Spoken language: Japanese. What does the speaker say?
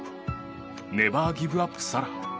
ネバーギブアップ、サラ。